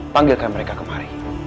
panggilkan mereka kemari